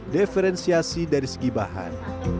diferensiasi dari segi bahan